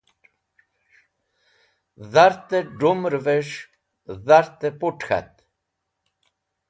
Dhartẽ d̃umrẽves̃h dhartẽ put̃ k̃hat.